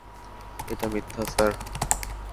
এটা মিথ্যা, স্যার।